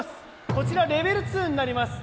こちらはレベル２になります。